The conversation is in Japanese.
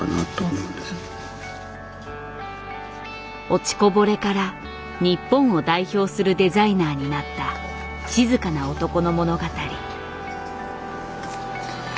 落ちこぼれから日本を代表するデザイナーになった静かな男の物語。